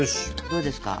どうですか？